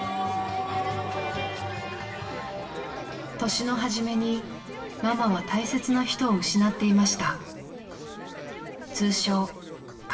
［年の初めにママは大切な人を失っていました］